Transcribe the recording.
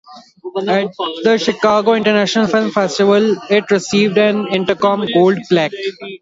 At the Chicago International Film Festival it received an Intercom Gold Plaque.